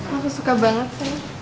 aku suka banget